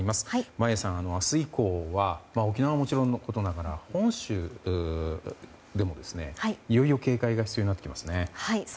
眞家さん、明日以降は沖縄はもちろんのことながら本州でも、いよいよ警戒が必要になりますね。